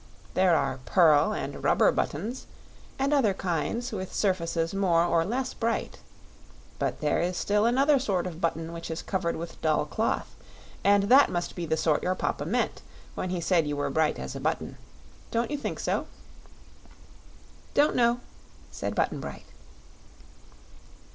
There are pearl and rubber buttons, and other kinds, with surfaces more or less bright. But there is still another sort of button which is covered with dull cloth, and that must be the sort your papa meant when he said you were bright as a button. Don't you think so?" "Don't know," said Button Bright.